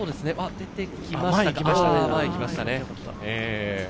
出てきましたね。